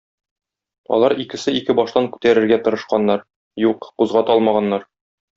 Алар икесе ике баштан күтәрергә тырышканнар, юк, кузгата алмаганнар.